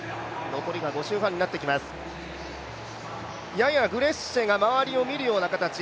ややグレッシエが周りを見るような形。